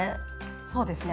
そうですね。